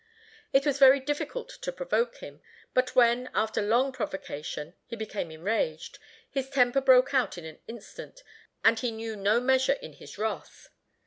It was very difficult to provoke him; but when, after long provocation, he became enraged, his temper broke out in an instant, and he knew no measure in his wrath.